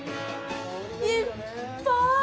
いっぱい！